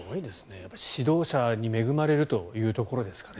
指導者に恵まれるというところですかね。